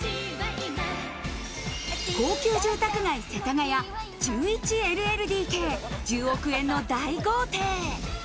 高級住宅街・世田谷、１１ＬＬＤＫ、１０億円の大豪邸。